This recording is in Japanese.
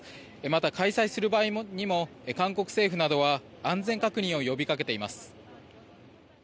また、開催する場合にも韓国政府などは安全確認を呼びかけています。